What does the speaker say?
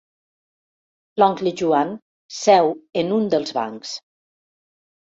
L'oncle Joan seu en un dels bancs.